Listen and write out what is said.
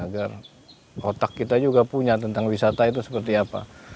agar otak kita juga punya tentang wisata itu seperti apa